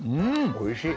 おいしい。